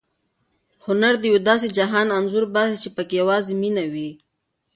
هنر د یو داسې جهان انځور باسي چې پکې یوازې مینه وي.